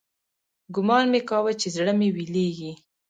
ګومان مې کاوه چې زړه مې ويلېږي.